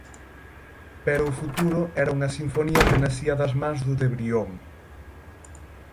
Pero o futuro era unha sinfonía que nacía das mans do de Brión.